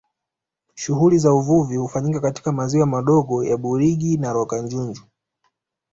Shughuli za uvuvi hufanyika katika maziwa madogo ya Burigi na Rwakajunju